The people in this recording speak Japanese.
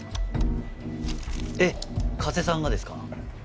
えっ加瀬さんがですか？